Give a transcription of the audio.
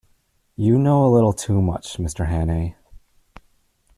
You know a little too much, Mr Hannay.